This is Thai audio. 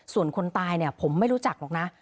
ส่วนคนตายเนี่ยผมไม่รู้จักหรอกนะ